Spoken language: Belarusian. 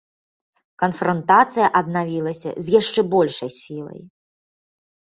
Канфрантацыя аднавілася з яшчэ большай сілай.